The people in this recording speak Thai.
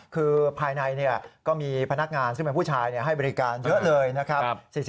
คือภายในก็มีพนักงานซึ่งเป็นผู้ชายให้บริการเยอะเลยนะครับ